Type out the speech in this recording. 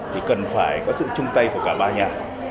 thì cần phải có sự chung tay của cả ba nhà